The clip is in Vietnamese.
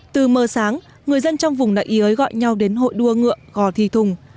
từ mơ sáng người dân trong vùng đại yới gọi nhau đến hội đua ngựa go thị thùng